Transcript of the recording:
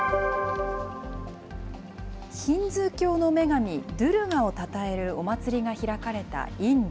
ヒンズー教の女神、ドゥルガをたたえるお祭りが開かれたインド。